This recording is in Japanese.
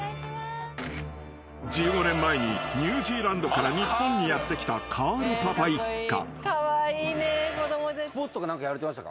［１５年前にニュージーランドから日本にやって来たカールパパ一家］